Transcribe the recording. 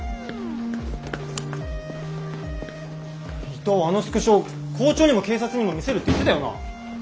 伊藤あのスクショ校長にも警察にも見せるって言ってたよな？